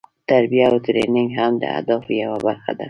تربیه او ټریننګ هم د اهدافو یوه برخه ده.